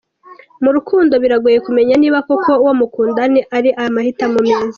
Mu rukundo biragoye kumenya niba koko uwo mukundana ari amahitamo meza.